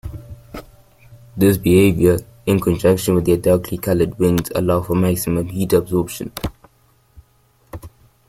This behavior, in conjunction with their darkly-colored wings, allow for maximum heat absorption.